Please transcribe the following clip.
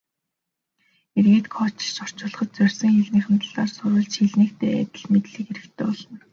Эргээд кодчилж орчуулахад зорьсон хэлнийх нь талаар сурвалж хэлнийхтэй адил мэдлэг хэрэгтэй болно.